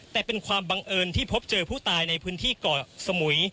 แต่เป็นความบังเอิญที่พบเจอผู้ตายในพื้นที่เกาะสมุย